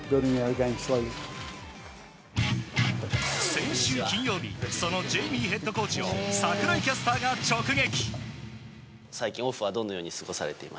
先週金曜日そのジェイミーヘッドコーチを櫻井キャスターが直撃。